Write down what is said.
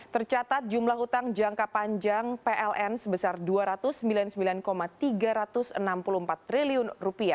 tercatat jumlah utang jangka panjang pln sebesar rp dua ratus sembilan puluh sembilan tiga ratus enam puluh empat triliun